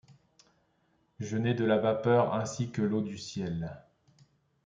Je nais de la vapeur ainsi que l’eau du ciel